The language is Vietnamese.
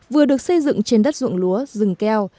vừa được xây dựng trên đất ruộng lúa rừng keo